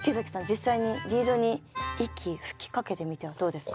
実際にリードに息吹きかけてみてはどうですか？